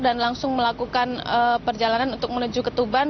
dan langsung melakukan perjalanan untuk menuju ketuban